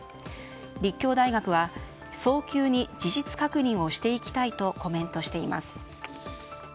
立教大学は早急に事実確認をしていきたいとコメントしています。